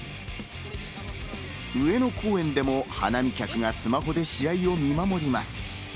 上野公園でも花見客がスマホで試合を見守ります。